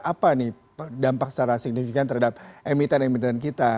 apa nih dampak secara signifikan terhadap emiten emiten kita